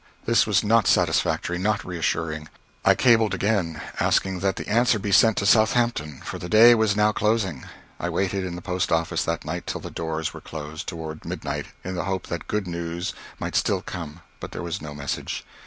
This was not satisfactory not reassuring. I cabled again, asking that the answer be sent to Southampton, for the day was now closing. I waited in the post office that night till the doors were closed, toward midnight, in the hope that good news might still come, but there was no message.